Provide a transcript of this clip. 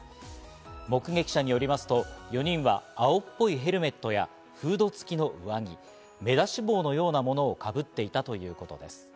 目撃者によりますと、４人は青っぽいヘルメットやフード付きの上着、目出し帽のようなものをかぶっていたということです。